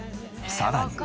さらに。